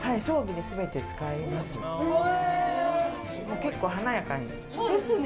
結構、華やかに。